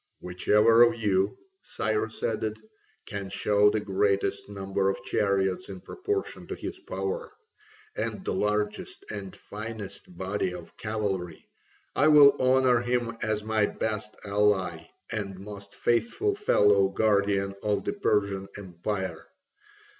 "Whichever of you," Cyrus added, "can show the greatest number of chariots in proportion to his power, and the largest and finest body of cavalry, I will honour him as my best ally and most faithful fellow guardian of the Persian empire.